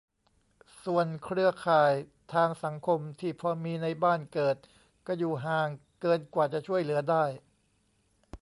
ส่วนเครือข่ายทางสังคมที่พอมีในบ้านเกิด ก็อยู่ห่างเกินกว่าจะช่วยเหลือได้